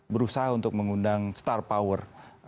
berusaha untuk mengundang star power